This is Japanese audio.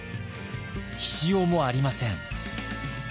醤もありません。